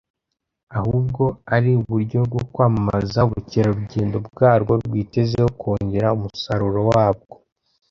ahubwo ari uburyo bwo kwamamaza ubukerarugendo bwarwo rwitezeho kongera umusaruro wabwo